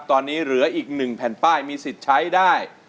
ตอนนี้เหลืออีก๑แผ่นป้ายมีสิทธิ์ใช้ได้